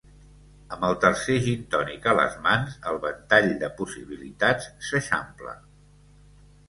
Amb el tercer gintònic a les mans, el ventall de possibilitats s'eixampla.